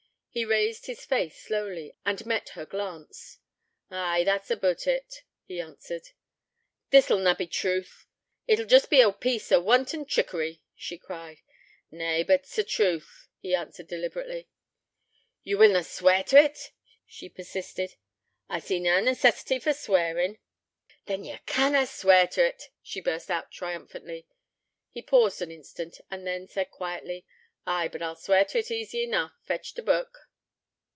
He raised his face slowly, and met her glance. 'Ay, that's aboot it,' he answered. 'This'll na be truth. It'll be jest a piece o' wanton trickery!' she cried. 'Nay, but't is truth,' he answered deliberately. 'Ye will na swear t' it?' she persisted. 'I see na necessity for swearin'.' 'Then ye canna swear t' it,' she burst out triumphantly. He paused an instant; then said quietly: 'Ay, but I'll swear t' it easy enough. Fetch t' Book.'